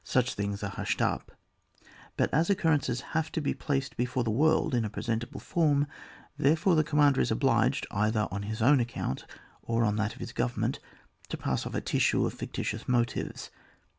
Such things are hushed up ; but as occurrences have to be placed before the world in a pre sentable form, therefore the commander is obliged, either on his own account or on that of his government to pass off a tissue of fictitious motives.